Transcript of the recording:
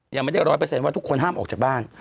ยังไม่ได้ร้อยเปอร์เซ็นต์ว่าทุกคนห้ามออกจากบ้าน